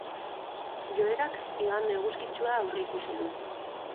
Joerak igande eguzkitsua aurreikusi du.